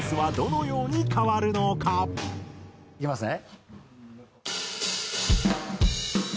いきますね。